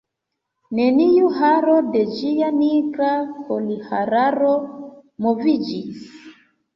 Neniu haro de ĝia nigra kolhararo moviĝis.